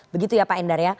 begitu ya pak endar ya